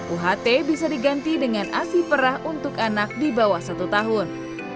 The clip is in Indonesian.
uht bisa diganti dengan asi perah untuk anak di bawah satu tahun